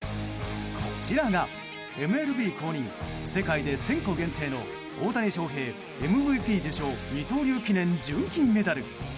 こちらがＭＬＢ公認世界で１０００個限定の大谷翔平ＭＶＰ受賞二刀流記念純金メダル。